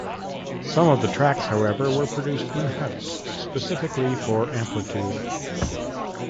Some of the tracks, however, were produced "in-house" specifically for "Amplitude".